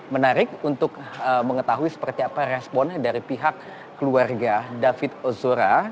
menarik untuk mengetahui seperti apa respon dari pihak keluarga david ozora